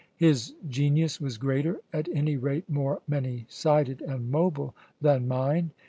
His genius was greater, at any rate more many sided and mobile, than mine.